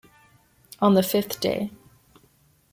On the fifth day.